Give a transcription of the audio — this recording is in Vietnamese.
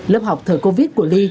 lớp học thời covid của ly